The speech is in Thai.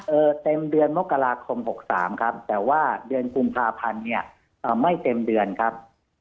เต็มเดือนมกราคมหกสามครับแต่ว่าเดือนกุมภาพันธ์เนี่ยไม่เต็มเดือนครับ